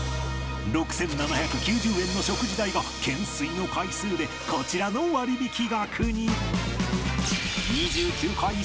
６７９０円の食事代が懸垂の回数でこちらの割引額に。